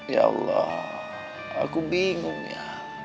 ya allah aku bingung ya